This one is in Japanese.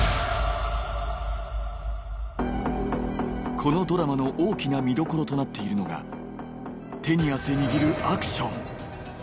このドラマの大きな見どころとなっているのが手に汗握るアクション